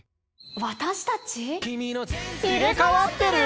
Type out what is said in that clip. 私たち？